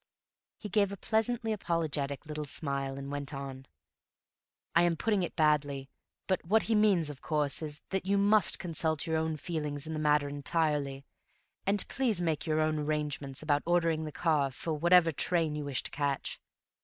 He gave a pleasant apologetic little smile and went on, "I am putting it badly, but what he means, of course, is that you must consult your own feelings in the matter entirely, and please make your own arrangements about ordering the car for whatever train you wish to catch.